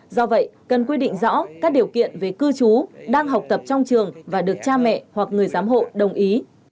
do vậy cần quy định rõ các điều kiện về cư trú đang học tập trong trường và được cha mẹ hoặc người giám hộ đồng ý